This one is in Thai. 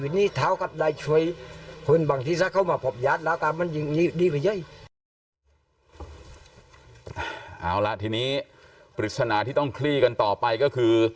เอาล่ะทีนี้ปริศนาที่ต้องคลี่กันต่อไปก็คือ